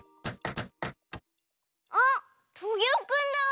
あっトゲオくんだ！